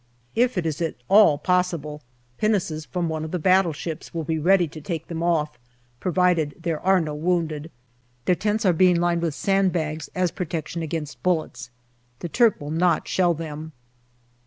If it is at all possible, pinnaces from one of the battleships will be ready to take them off, provided there are no wounded. Their tents are being lined with sand bags as protection against bullets. The Turk will not shell them.